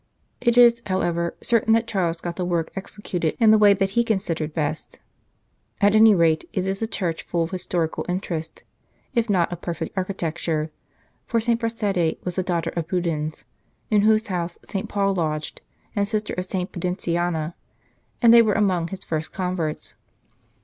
It is, however, certain that Charles got the work executed in the way that he considered best. At any rate it is a church full of historical interest, if not of perfect architecture, for St. Prassede was the daughter of Pudens, in whose house St. Paul lodged, and sister of St. Pudentiana, and they were among his first converts.